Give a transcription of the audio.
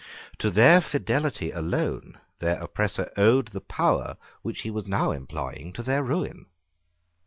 To their fidelity alone their oppressor owed the power which he was now employing to their ruin.